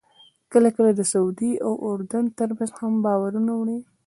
کله کله د سعودي او اردن ترمنځ هم بارونه وړي.